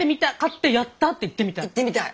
言ってみたい？